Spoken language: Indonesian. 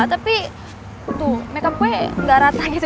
tapi tuh makeup gue nggak rata gitu